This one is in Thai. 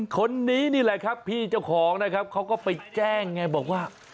คนนี้นี่แหละครับพี่เจ้าของนะครับเขาก็ไปแจ้งไงบอกว่า